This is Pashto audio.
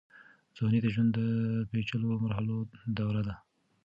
ځوانۍ د ژوند د پېچلو مرحلو دوره ده.